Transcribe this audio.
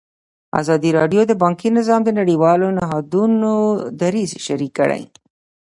ازادي راډیو د بانکي نظام د نړیوالو نهادونو دریځ شریک کړی.